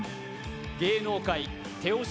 芸能界手押し